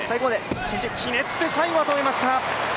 ひねって最後は止めました。